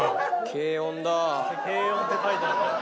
「軽音」って書いてある。